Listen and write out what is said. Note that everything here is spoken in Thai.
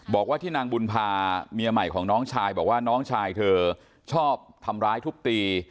บอกว่าที่นางบุญพาเมียใหม่ของน้องชายบอกว่าน้องชายเธอชอบทำร้ายทุบตี